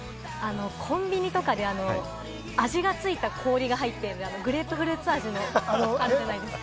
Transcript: コンビニとかで味がついた氷が入ってるグレープフルーツ味の、あるじゃないですか。